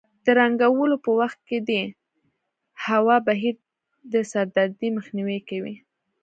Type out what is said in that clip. د رنګولو په وخت کې د هوا بهیر د سردردۍ مخنیوی کوي.